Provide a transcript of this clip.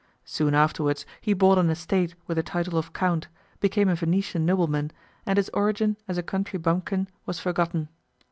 Soon afterwards he bought an estate with the title of count, became a Venetian nobleman, and his origin as a country bumpkin was forgotten.